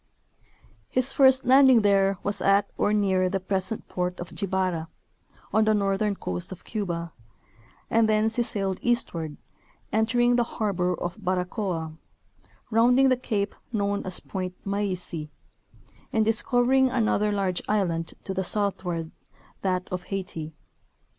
His first landing there was at or near the pres ent port of Jibara, on the northern coast of Cuba, and thence he sailed eastward, entering the harbor of Baracoa, rounding the cape known as Point Maisi, and discovering another large island to the southward, that of Haiti.